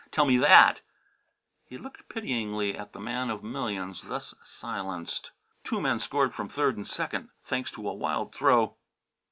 Tell me that!" He looked pityingly at the man of millions thus silenced. Two men scored from third and second, thanks to a wild throw.